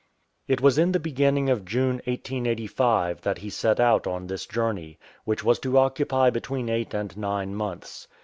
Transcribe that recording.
It was in the beginning of June, 1885, that he set out on this journey, which was to occupy between eight and nine months.